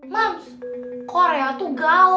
moms korea tuh gaul